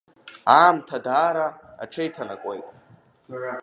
Аамҭа даара аҽеиҭанакуеит.